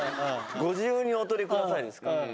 「ご自由にお取りください」ですから。